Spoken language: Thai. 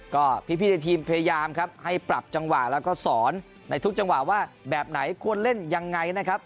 ก็พี่ในทีมพยายามครับให้ปรับจังหวะแล้วก็สอนในทุกจังหวะว่าแบบไหนควรเล่นยังไงนะครับ